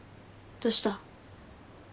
どうした？